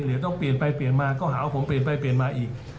หรือต้องเปลี่ยนไปมาก็หาผมเปลี่ยนไปมาอีก